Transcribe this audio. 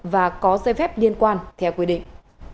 và có dây phép liên quan theo quy định